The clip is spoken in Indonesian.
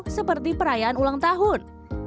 seperti perayaan ulang tahun